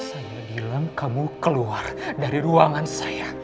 saya bilang kamu keluar dari ruangan saya